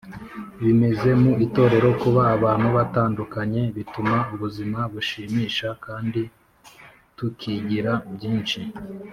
bimeze mu itorero Kuba abantu batandukanye bituma ubuzima bushimisha kandi tukigira byinshi